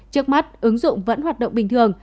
trước mắt ứng dụng vẫn hoạt động bình thường